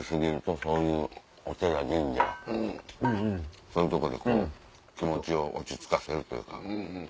そういうとこで気持ちを落ち着かせるというか。